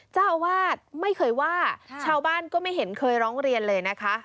เจ้าอาวาสไม่เคยว่าชาวบ้านก็ไม่เห็นเคยร้องเรียนเลยนะคะ